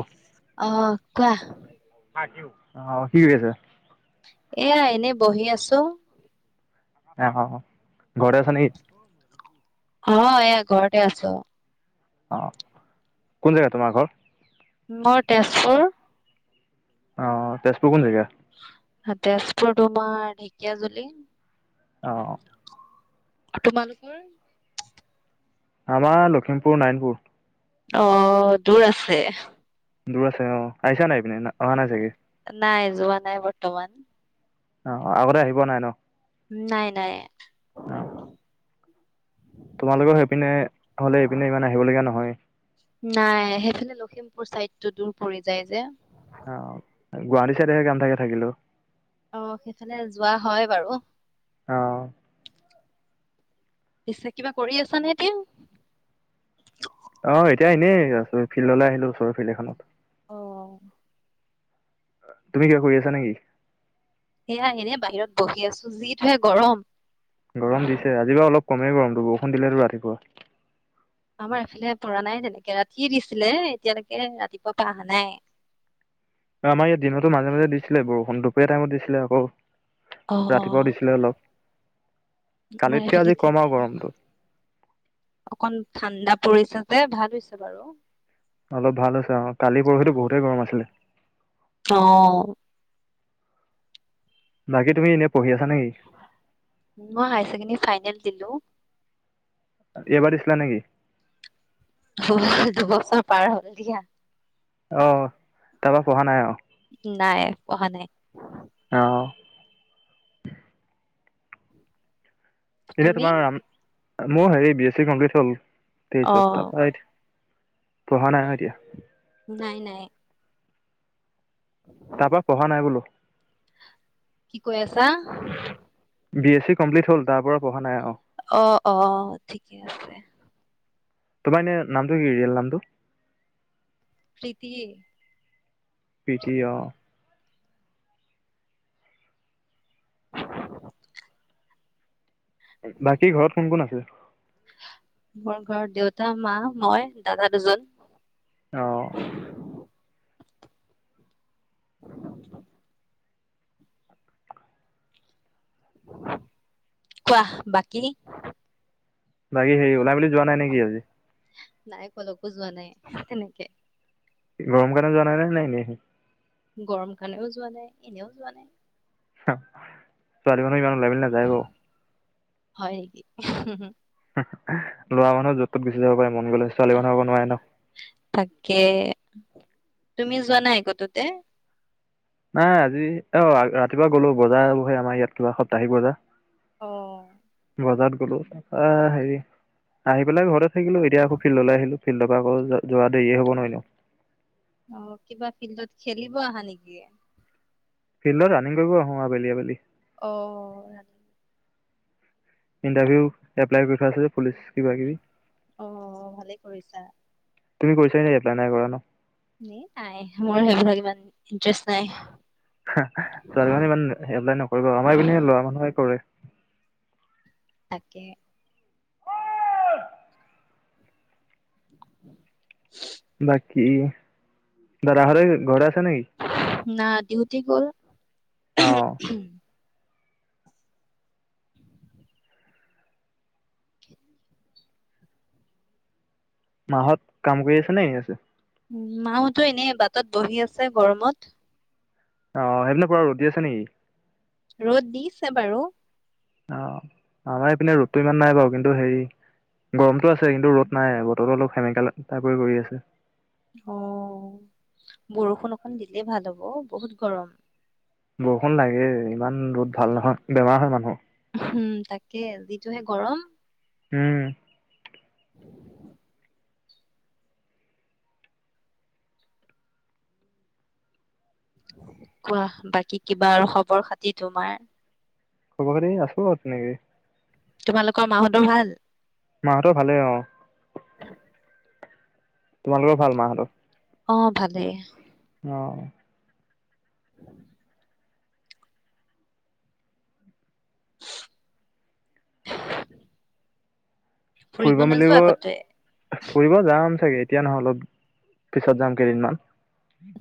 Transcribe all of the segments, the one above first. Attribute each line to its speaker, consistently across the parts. Speaker 1: অঁ
Speaker 2: অহ কোৱা
Speaker 1: অ অ কিঠিক কৰি আছ
Speaker 2: এয়া এনে বহি আছো
Speaker 1: অ অ ঘৰতে আছ নেকি
Speaker 2: অ এয়া ঘৰতেে আছ
Speaker 1: অঁ কোন জেগা তোমাৰ ঘৰ
Speaker 2: মোৰ তেজপুৰ
Speaker 1: অ তেজপুৰ কোন জেগা
Speaker 2: আতেছপম ঢেিকিয়াজুলি
Speaker 1: অ'।
Speaker 2: তোমালোকৰ?
Speaker 1: আমাৰ লখিমপুৰ নাৰায়ণপুৰ।
Speaker 2: অ', দূৰ আছে।
Speaker 1: দূৰ আছে অ', আহিছা নাই এইপিনে? অহা নাই চাগে?
Speaker 2: নাই, যোৱা নাই বৰ্তমান।
Speaker 1: অ', অ', আগতে আহি পোৱা নাই ন?
Speaker 2: নাই নাই।
Speaker 1: অ'। তোমালোকৰ সেইপিনে হ'লে এইপিনে ইমান আহিবলগীয়া নহয়।
Speaker 2: নাই, সেইফালে লখিমপুৰ চাইডটো দূৰ পৰি যায় যে।
Speaker 1: অ', গুৱাহাটী চাইডেহে কাম থাকে থাকিলেও।
Speaker 2: অ', সেইফালে যোৱা হয় বাৰু।
Speaker 1: অ'।
Speaker 2: পিছে কিবা কৰি আছা নে এতিয়া?
Speaker 1: অ', এতিয়া এনেই আছোঁ। ফিল্ডলে আহিলোঁ, ওচৰৰ ফিল্ড এখনত।
Speaker 2: অ'।
Speaker 1: তুমি কিবা কৰি আছা নে কি?
Speaker 2: সেয়া এনেই বাহিৰত বহি আছোঁ। যিটোহে গৰম!
Speaker 1: গৰম দিছে। আজি বাৰু অলপ কমেই গৰমটো, বৰষুণ দিলেতো ৰাতিপুৱা।
Speaker 2: আমাৰ এফেলে পৰা নাই তেনেকে। ৰাতিয়ে দিছিলে এতিয়ালেকে ৰাতিপুৱাপা আহা নাই।
Speaker 1: আমাৰ ইয়াত দিনতো মাজে মাজে দিছিলে বৰষুণ। দুপৰীয়া টাইমত দিছিলে আকৌ
Speaker 2: অ
Speaker 1: ৰাতিপুৱাও দিছিলে অলপ।
Speaker 2: আমাৰ
Speaker 1: কালিতকে
Speaker 2: এইফালে
Speaker 1: আজি
Speaker 2: দিয়া নাই
Speaker 1: কম আৰু গৰমটো।
Speaker 2: অকন ঠাণ্ডা পৰিছে যে, ভাল হৈছে বাৰু।
Speaker 1: অলপ ভাল হৈছে অ'। কালি পৰহিটো বহুতেই গৰম আছিলে।
Speaker 2: অ'।
Speaker 1: বাকী তুমি এনেই পঢ়ি আছা নে কি?
Speaker 2: মই হাই চেকেন্দী ফাইনেল দিলোঁ।
Speaker 1: এইবাৰ দিছিলা নে কি?
Speaker 2: দুবছৰ পাৰ হ'ল দিয়া।
Speaker 1: অ', তাৰপা পঢ়া নাই আও?
Speaker 2: নাই, পঢ়া নাই।
Speaker 1: আও'। তেতিয়া
Speaker 2: তুমি?
Speaker 1: তোমাৰ ৰাম-মোৰ হেৰি বি এছ্‌ চি কমপ্লিট হ'ল।
Speaker 2: অ'।
Speaker 1: তেইছত। তাপা এতিয়া, পঢ়া নাই আৰু এতিয়া।
Speaker 2: নাই নাই। [inaudible]
Speaker 1: তাৰপা পঢ়া নাই বোলো।
Speaker 2: কি কৈ আছা?
Speaker 1: বি এছ্‌ চি কমপ্লিট হ'ল, তাৰপৰা পঢ়া নাই আৰু।
Speaker 2: অ', অ', ঠিকে আছে।
Speaker 1: তোমাৰ এনেই নামটো কি? ৰিয়েল নামটো?
Speaker 2: প্ৰীতি।
Speaker 1: প্ৰীতি অ'। বাকী ঘৰত কোন কোন আছে?
Speaker 2: মোৰ ঘৰত দেউতা, মা, মই, দাদা দুজন।
Speaker 1: অ'।
Speaker 2: কোৱা বাকী?
Speaker 1: বাকী হেৰি, ওলাই মিলি যোৱা নাই নেকি আজি?
Speaker 2: নাই কলৈকো যোৱা নাই তেনেকে।
Speaker 1: গৰম কাৰণে যোৱা নাই নে, এনেইহে?
Speaker 2: গৰম কাৰণেও যোৱা নাই। এনেও যোৱা নাই।
Speaker 1: হা, ছোৱালী মানুহ ইমান ওলাই মেলি নাযায় বাও।
Speaker 2: হয় নেকি।
Speaker 1: ল'ৰা মানুহৰ য'ত ত'ত গুচি যাব পাৰে, মন গ'লে। ছোৱালী মানুহ আকৌ নোৱাৰে ন।
Speaker 2: তাকে। তুমি যোৱা নাই কতোতে?
Speaker 1: নাই। আজি, অ', ৰাতিপুৱা গলোঁ। বজাৰ বহে আমাৰ ইয়াত। কিবা সপ্তাহিক বজাৰ।
Speaker 2: অ'।
Speaker 1: বজাৰত গ'লো। আ, হেৰি, আহি পেলাই ঘৰতে থাকিলো। এতিয়া আকৌ ফিল্ডলে আহিলো। ফিল্ডৰ পৰা আকৌ যোৱা দেৰিয়েই হ'ব নহয় নেও।
Speaker 2: অ', কিবা ফিল্ডত খেলিব আহা নেকি?
Speaker 1: ফিল্ডত ৰানিং কৰিব আহোঁ। আবেলি, আবেলি।
Speaker 2: অ'।
Speaker 1: ইণ্টাৰভিউ এপ্লাই কৰি থোৱা আছে যে, পুলিচ কিবা কিবি।
Speaker 2: অ', ভালে কৰিছা।
Speaker 1: তুমি কৰিছা নে এপ্লাই, নাই কৰা ন'?
Speaker 2: [unintelligible] নাই। মোৰ সেইবোৰাক ইমান ইণ্টাৰেষ্ট নাই।
Speaker 1: ছোৱালী মানুহে ইমান হে এপ্লাই নকৰিব। আমাৰ এই পিনে ল'ৰা মানুহে কৰে।
Speaker 2: তাকে। [inaudible]
Speaker 1: বাকী। দাদাহঁতে ঘৰতে আছে নে কি?
Speaker 2: না, ডিউটি গ'ল।
Speaker 1: অ
Speaker 2: [inaudible]
Speaker 1: মাহঁত কাম কৰি আছে নে, এনে আছে?
Speaker 2: উম, মাহতো এনেই বাটত বহি আছে গৰমত।
Speaker 1: অ', সেইবিলাক পুৰা ৰ'দ দি আছে নেকি?
Speaker 2: ৰ'দ দিছে বাৰু।
Speaker 1: অ', আমাৰ ইপিনে ৰৰুদটো ইমান নাই বাৰু। কিন্তু হেৰি গৰমটো আছে। কিন্তু ৰ'দ নাই। বতৰো অলপ সেমেকা লা কৰি আছে।
Speaker 2: অ', বৰষুণ অকন দিলেই ভাল হ'ব অ'। বহুত গৰম।
Speaker 1: বৰষুণ লাগে। ইমান ৰ'দ ভাল নহয়। বেমাৰ হয় মানুহৰ।
Speaker 2: উম', তাকে। যিটোহে গৰম।
Speaker 1: উম'।
Speaker 2: [inaudible] কোৱা, বাকী কিবা আৰু খবৰ খাতি তোমাৰ?
Speaker 1: খবৰ খাতি। আছো আৰু তেনেকে।
Speaker 2: তোমালোকৰ মাহঁতৰ ভাল?
Speaker 1: মাহঁতৰ ভালেই অ'। তোমালোকৰ ভাল মাহঁতৰ?
Speaker 2: অ', ভালেই।
Speaker 1: অ'।
Speaker 2: [inaudible] [inaudible] ফুৰিব
Speaker 1: ফুৰিব-মেলিব,
Speaker 2: নোযোৱা কতোৱে
Speaker 1: ফুৰিব যাম চাগে। এতিয়া নহয়। অলপ, পিছত যাম, কেইদিনমান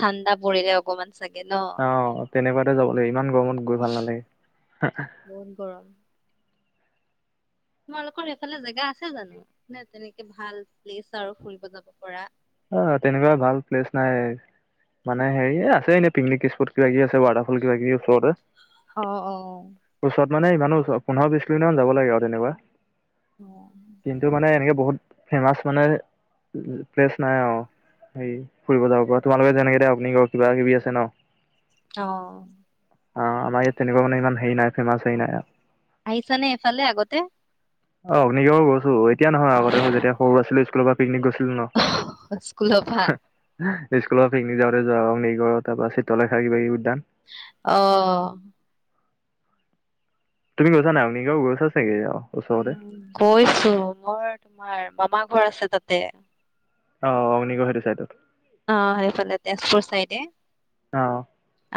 Speaker 2: ঠাণ্ডা পৰিলেওক। অকমান চাগে ন?
Speaker 1: অ তেনেকুৱাতে যাব লাগে। ইমান গৰমত গৈ ভাল নালাগে।
Speaker 2: বন কৰা। তোমালোকৰ এইফালে জেগা আছে জানো? নে, তেনেকে ভাল প্লেচ আৰু ফুৰিব যাব পৰা।
Speaker 1: অ', তেনেকুৱা ভাল প্লেচ নাই। মানে হেৰি আছে এনে পিকনিক স্পট কিবা কিবি আছে ৱাটাৰফল কিবা কিবি ওচৰতে
Speaker 2: অ অ
Speaker 1: ওচৰত মানে ইমানো পোন্ধৰ বিশছ কিলোি মানাব লাগে আৰু তেনেকুৱা
Speaker 2: অ'।
Speaker 1: কিন্তু মানে এনেকে বহুত ফেমাচ মানে প্লেচ নাই অ হে ফুৰিব যাব পৰা তোমালোকে যেনেকে দে আপুনি কিবা কিবি আছে ন
Speaker 2: অ
Speaker 1: আহ আমাৰ ইয়াত তেনেকুৱা মানে ইমান হেৰি নাই ফেমাচ হে নাই
Speaker 2: আহিছানে এইফালে আগতে
Speaker 1: অগ্নিগড়ৰ গৈছো এতিয়া নহয় আগতে যেতিয়া সৰু আছিলো স্কুলৰ পৰা পিকনিক গৈছিলো ন
Speaker 2: স্কুলৰ পৰা
Speaker 1: স্কুলৰ পিকনিক যাওঁতে যোৱা নিগ তাৰ চিত্ৰ লেখা কিবা কিবি উদ্যান
Speaker 2: অ
Speaker 1: তুমি গৈছা ন আমনি গাওঁ গৈছা চাগে ও
Speaker 2: উম' গৈছোঁ মই তোমাৰ মামা ঘৰ আছে তাতে।
Speaker 1: অ' অগ্নিগড় এইটো চাইডত।
Speaker 2: অ' সেই ফালে তেজপুৰ চাইডে।
Speaker 1: অ'।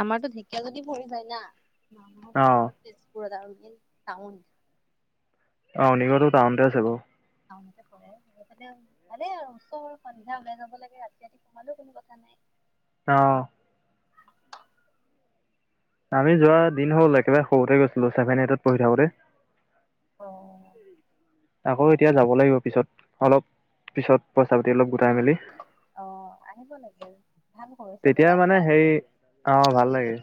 Speaker 2: আমাৰতো ঢেকীয়া গজীপৰি যায় না
Speaker 1: অ
Speaker 2: ঘৰত তেজপুৰত আৰু মেইন টাউন।
Speaker 1: অ' নিগৰত টাউনতেযাবো। [unintelligible]
Speaker 2: টাউনতে পঢ়ে সেইফালে ভালেই আৰু ওচৰ সন্ধিয়া ওলাই যাব লাগে ৰাতি-ৰাতি সোমালেও কোনো কথা নাই।
Speaker 1: অহ। আমি যোৱা দিন হ'ল একেবাৰে সৰুতে গৈছিলোঁ চছেভেন এইটত পঢ়ি থাকোতে।
Speaker 2: অ'হ।
Speaker 1: আকৌ এতিয়া যাব লাগিব পিছত অলপ পিছত পইচা পাতি অলপ গোটাই মেলি।
Speaker 2: অ' আহিব লাগে। ভাল কৰিছে
Speaker 1: তেতিয়াাই মানে
Speaker 2: জেগাবিলাক
Speaker 1: হেৰি অ' ভাল লাগে।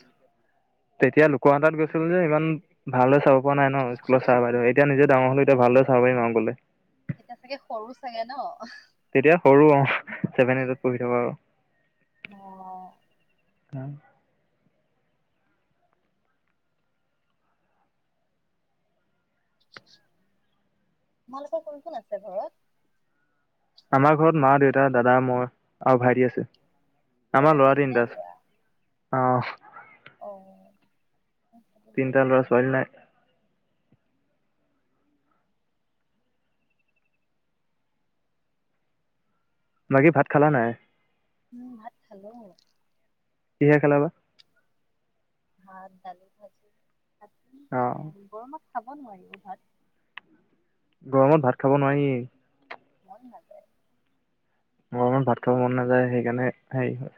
Speaker 1: তেতিয়া লোকৰ হাতত গৈছিলো যে ইমান ভাল দৰে চাব পৰা নাই ন স্কুলৰ চাৰ বদেউ এতিয়া নিজে ডাঙৰ হলোঁ এতিয়া ভালদৰে চাব পাৰিম আৰু গলে।
Speaker 2: এতিয়া চাগে সৰু চাগে ন।
Speaker 1: তেতিয়া সৰু চেভেন এইটত পঢ়ি থকা।
Speaker 2: অ'।
Speaker 1: [unintelligible]
Speaker 2: তোমালোকৰ কোন কোন আছে ঘৰত?
Speaker 1: আমাৰ ঘৰত মা, দেউতা, দাদা, মই আৰু, ভাইটি আছে।
Speaker 2: অ
Speaker 1: আমাৰ ল'ৰা
Speaker 2: তিনটাই
Speaker 1: তিনিটা আছে, অহ।
Speaker 2: অহ,।
Speaker 1: তিনটা ল'ৰা-ছোৱালী নাই। বাকী ভাত খালা নাই।
Speaker 2: ভাত খালোঁ। ্
Speaker 1: কিহে খালা বা?
Speaker 2: ভাত দালি, ভাজি, ভাত
Speaker 1: অঁ
Speaker 2: সেইয়াই গৰমত খাব নোৱাৰি অহ, ভাত।
Speaker 1: গৰমত ভাত খাব নোৱাৰিএ
Speaker 2: মন নাযায়।
Speaker 1: গৰমত ভাত খাব মন নাযায়, সেইকাৰণে হেৰি হয়।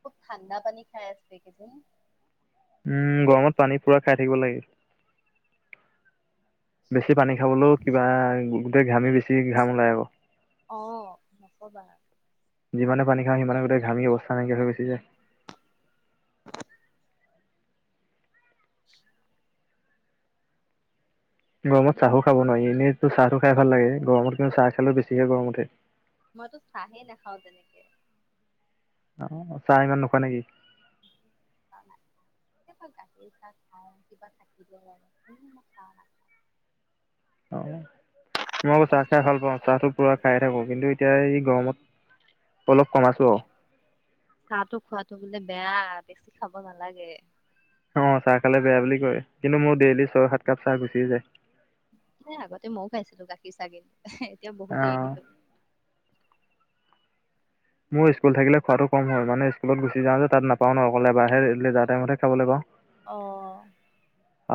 Speaker 2: খুব ঠাণ্ডা পানী খাই আছে একেইদিন।
Speaker 1: উম, গৰমত পানী পুৰা খাই থাকিব লাগে। বেছি পানী খাবলৈও কিবা গোটেই ঘামি বেছি ঘাম ওলাই আকৌ।
Speaker 2: অহ, নকবা।
Speaker 1: যিমানে পানী খাই সিমানেই গোটেই ঘামি অৱস্থা নাইকিয় হৈ গৈছে যায়।
Speaker 2: [unintelligible]
Speaker 1: গৰমত চাহো খাব নোৱাৰি, এনেইটো চাহটো খাই ভাল লাগে, গৰমত কিন্তু চাহ খালে বেছিকে গৰম উঠে।
Speaker 2: মইতো চাহে নাখাওঁ তেনেকে।
Speaker 1: অহ, চাহ ইমান নোখোৱা নেকি?
Speaker 2: [unintelligible] কেতিয়াবা গাখীৰ চাহ খাওঁ, কিবা থাকিলে মানে, এনেই মই চাহ নাখাওঁ।
Speaker 1: অহ, মই আকৌ চাহ খাই ভাল পাওঁ, চাহটো পুৰা খাইে থাকো, কিন্তু এতিয়া এই গৰমত অলপ কমাইছো আৰু।
Speaker 2: চাহটো খোৱাতো বোলে বেয়া, বেছি খাব নালাগে।
Speaker 1: অহ, চাহ খালে বেয়া বুলি কয়, কিন্তু মোৰ ডেইলি ছয়-সাত কাপ চাহ গুচি এই যায়।
Speaker 2: আগতে মইয়ো খাইছিলোঁ গাখীৰ চাহ, কিন্তু এতিয়া বহুত এৰি
Speaker 1: অ
Speaker 2: দিলোঁ।
Speaker 1: মোৰ স্কুল থাকিলে খোৱাটো কম হয় মানে, স্কুলত গুচি যাওঁ তাত নাপাওঁ ন' অকল এবাৰ হে লেজাৰ টাইমত হে খাবলে পাওঁ।
Speaker 2: অহ।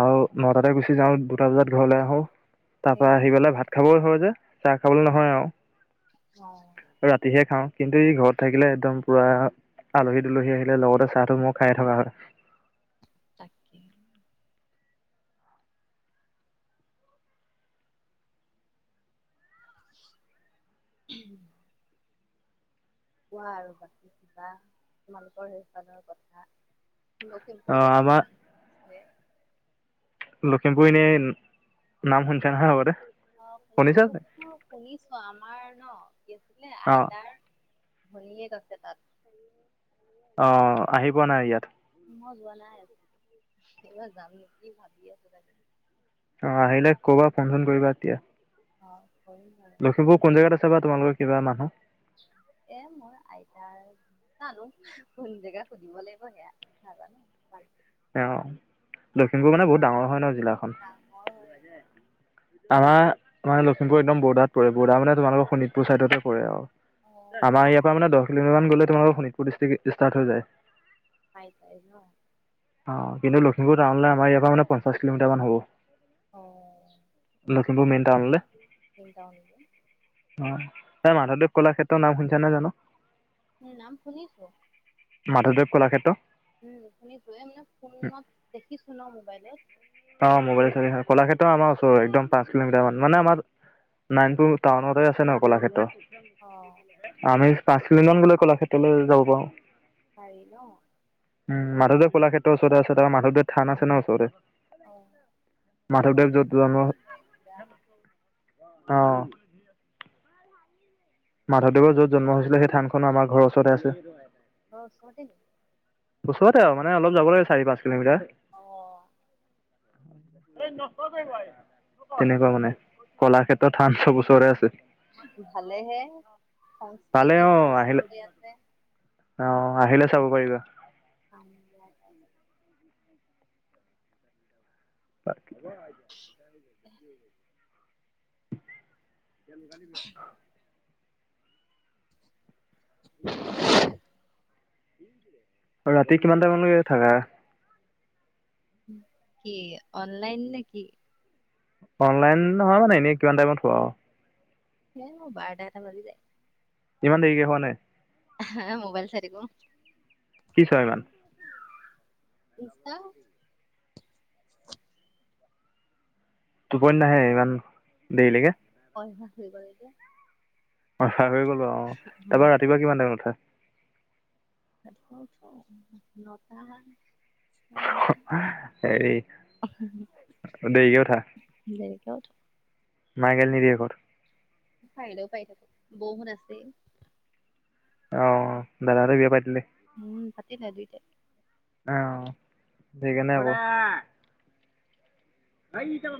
Speaker 1: আৰু নটাতে গুচি যাওঁ দুটা বজাত ঘৰলৈ আহো, তাৰপৰা
Speaker 2: সেইটো
Speaker 1: আহি পেলায় ভাত খাবই হয় যে, চাহ খাবলৈ নহয় আৰু।
Speaker 2: হয় [unintelligible]
Speaker 1: ৰাতিহে খাওঁ। কিন্তু এই ঘৰত থাকিলে একদম পুৰা আলহী-দুলহী আহিলে লগতে চাহটো মোৰো খাই থকা হয়।
Speaker 2: তাকেই উম [unintelligible] কোৱা আৰু বাকী কিবা তোমালোকৰ সেইফালৰ কথা? লখিমপুৰ
Speaker 1: অ'
Speaker 2: জেগাতোৰ
Speaker 1: আমাৰ
Speaker 2: নাম।
Speaker 1: লখিমপুৰ এনেই নাম শুনিছে নহয় আগতে? শুনিছা
Speaker 2: অনিছ
Speaker 1: যে
Speaker 2: মোৰ শুনিছো আমাৰ ন কি আছিলে
Speaker 1: অ'।
Speaker 2: আইতাৰ [unintelligible] ভনীয়েক আছে তাত।
Speaker 1: অ' আহি পোৱা নাই ইয়াত?
Speaker 2: মই যোৱা নাই, এইবাৰ যাম নেকি ভাবি আছো তাকে
Speaker 1: অ আহিলে কবা, ফোন-চোন কৰিবা তেতিয়া।
Speaker 2: অ' হয়।
Speaker 1: লখিপুৰ কোন জেগাত আছে বা তোমালৰ কিবা মানুহ?
Speaker 2: এ'মোৰ আইতাৰ জানো কোন জেগা সুধিব লাগিব সেয়া নাজানো ভালকে।
Speaker 1: অ' লখিমপুৰ মানে বহুত ডাঙৰ হয় ন জিলাখন।
Speaker 2: ডাঙৰ হয় সেইটো [unintelligible]
Speaker 1: আমাৰ মানে লখিমপুৰ একদম বৰদাত পৰে। বৰদা মানে তোমালোকৰ শোণিতপুৰ ছাইডতে পৰে আৰু।
Speaker 2: অ
Speaker 1: আমাৰ ইয়াৰ পৰা মানে দহ কিলোমিাৰ মান গলে তোমালোকৰ শোণিতপুৰ ডিষ্ট্ৰিক্ ইষ্টাট হৈ যায়।
Speaker 2: আইাইছ ন [unintelligible]
Speaker 1: অ' কিন্তু লখিমপুৰ টাউনলৈ আমাৰ ইয়াৰ পৰা মানে পঞ্চাশ কিলোমিটাৰান হব।
Speaker 2: অ'।
Speaker 1: লখিমপুৰ মেইন টাউনলে।
Speaker 2: ন টাউন [unintelligible]
Speaker 1: অ'এই মাধৱদেৱ কলাক্ষেত্ৰৰ নাম শুনিছা নাই জানো?
Speaker 2: অ' নাম শুনিছো।
Speaker 1: মাধৱদেৱ কলাক্ষেত্ৰ।
Speaker 2: উম শুনিছো এই মানে ফোনত দেখিছো ন মোবাইলত।
Speaker 1: অ মোাইল চি হয় কলাক্ষেত্ৰ আমাৰ ওচৰত একম পাঁচ কিলোমিটাৰ মানে আমাৰ [unintelligible] নাৰায়নপুৰ টাউনতে আছে ন কলাক্ষেত্ৰ।
Speaker 2: অ'
Speaker 1: আমি পাঁচ মিনিটমান গ'লেই কলাক্ষেতলৈ যাব পাৰো।
Speaker 2: পাৰি ন।
Speaker 1: উম মাধৱদৱ কাক্ষেতৰ ওচৰতে আছে, তাৰ পিছত মাধৱদেৱ থান আছে ন ওচৰতে।
Speaker 2: অঁ'।
Speaker 1: মাধৱদেৱ যত জন্ম
Speaker 2: দিয়া
Speaker 1: অ [unintelligible] মাধৱদেৰ যত জন্ম হৈছিলে সেই থানখন আমাৰ ঘৰৰ ওচৰতে আছে।
Speaker 2: ঘৰৰ ওচৰতে নেকি?
Speaker 1: বছৰতে আৰু মানে অলপ যাব লাগে চাৰি পাঁচ কিলোমিটাৰ।
Speaker 2: অ'
Speaker 1: [unintelligible] তেনেকুৱা মানে কলাক্ষেত্ৰ থান চব ওচৰতে আছে।
Speaker 2: ভালেহে
Speaker 1: ভালে অ
Speaker 2: সংস্কৃতিবোৰ
Speaker 1: আহিলে
Speaker 2: ওচৰতে আছে।
Speaker 1: অ আহিলে চব পাৰিবা
Speaker 2: [unintelligible]
Speaker 1: [unintelligible]
Speaker 2: [inaudible]
Speaker 1: [unintelligible]
Speaker 2: [inaudible]
Speaker 1: আৰু ৰাতি কিমান টাইমলৈকে থাকা?
Speaker 2: কি অনলাইন নেকি?
Speaker 1: অনলাইন নহয় মানে, এনেই কিমান টাইমত হোৱা আৰু?
Speaker 2: এই মোৰ বাৰটা এটা বাজি যায়।
Speaker 1: ইমান দেৰিক শুৱা নে?
Speaker 2: হা মোবাইল চাই থাকো।
Speaker 1: কি চোৱা ইমান?
Speaker 2: ইনষ্টা। [inaudible]
Speaker 1: টোপনি নাহে ইমান দেৰিলেকে?
Speaker 2: অভ্যাস হয় গ'ল যে।
Speaker 1: অভ্যাস হৈ গ'ল বাৰু অ',। তাৰপা ৰাতিপুৱা কিমান টাইমত উঠা?
Speaker 2: ৰাতিপুৱা উঠো আৰু ন টা।
Speaker 1: এই অকন দেৰি কে উঠা।
Speaker 2: দেৰি কে উঠো।
Speaker 1: মায়ে গালি নিদিয়ে ঘৰত?
Speaker 2: পাৰিলেওঁ পাৰি থাকক বৌ হত আছেই।
Speaker 1: অ', দাদা হতে বিয়া পাতিলে।
Speaker 2: উম, পাতিলে দুইটাই।
Speaker 1: অ', সেইকাৰনে আকৌ।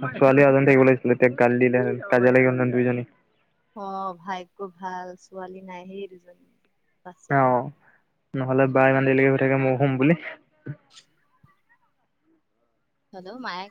Speaker 1: ছোৱালী আৰু এজনী থাকিব লাগিইছিলে। তেতিয়া গালি দিলে হয়। কাজিয়া লাগি গল হয় দুইজনী।
Speaker 2: অ', ভাগ্য ভাল ছোৱালী নাই হেই দুজনী। বাচিলো।
Speaker 1: অ', নহ'লে বা ইমান দেৰিকে লৈকে শুই থাকে ময়ো শুম বুলি।
Speaker 2: হেলও মায়ে